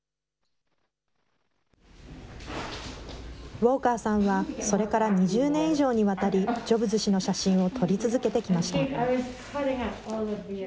ウォーカーさんは、それから２０年以上にわたり、ジョブズ氏の写真を撮り続けてきました。